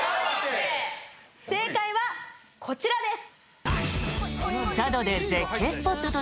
正解はこちらです！